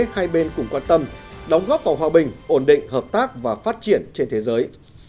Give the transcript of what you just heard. hai bên cùng quan tâm đóng góp vào hòa bình ổn định hợp tác và phát triển trên thế giới